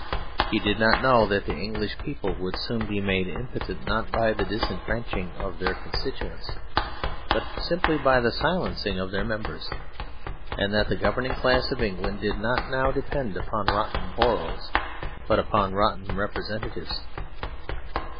He did not know that the English people would soon be made impotent, not by the disfranchising of their constituents, but simply by the silencing of their members; and that the governing class of England did not now depend upon rotten boroughs, but upon rotten representatives.